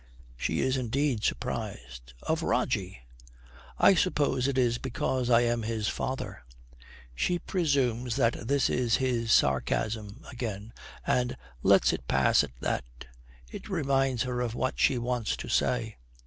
She is indeed surprised. 'Of Rogie!' 'I suppose it is because I am his father.' She presumes that this is his sarcasm again, and lets it pass at that. It reminds her of what she wants to say.